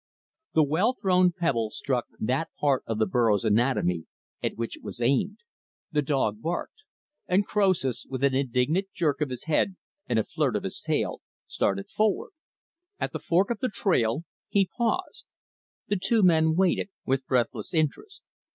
The well thrown pebble struck that part of the burro's anatomy at which it was aimed; the dog barked; and Croesus with an indignant jerk of his head, and a flirt of his tail started forward. At the fork of the trail, he paused. The two men waited with breathless interest.